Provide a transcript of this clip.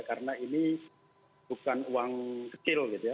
karena ini bukan uang kecil gitu ya